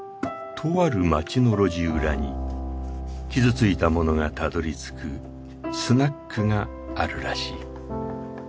とある街の路地裏に傷ついた者がたどりつくスナックがあるらしい。